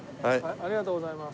ありがとうございます。